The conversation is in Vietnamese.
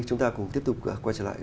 chúng ta cùng tiếp tục quay trở lại